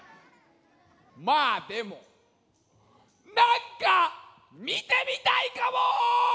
まあでもなんかみてみたいかも！